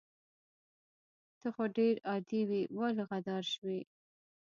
ته خو ډير عادي وي ولې غدار شوي